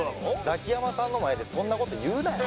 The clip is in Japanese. ザキヤマさんの前でそんな事言うなよ。